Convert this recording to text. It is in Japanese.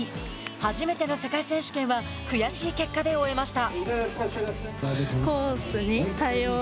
初めての世界選手権は悔しい結果で終えました。